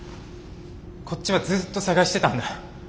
こっちはずっと捜してたんだ。